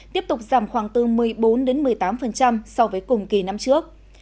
tiếp tục giảm khoảng từ một mươi bốn một mươi tám so với cùng kỳ năm trước